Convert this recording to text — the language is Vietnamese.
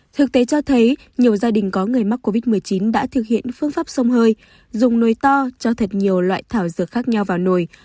thực tế cho thấy nhiều gia đình có người mắc covid một mươi chín đã thực hiện phương pháp sông hơi dùng nồi to cho thật nhiều loại thảo dược khác nhau vào nồi